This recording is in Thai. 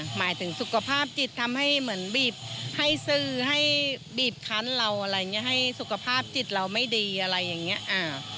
หมายถึงสุขภาพจิตทำให้เหมือนบีบให้สื่อให้บีบคันเราอะไรอย่างนี้ให้สุขภาพจิตเราไม่ดีอะไรอย่างนี้